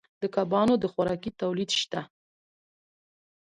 د کبانو د خوراکې تولید شته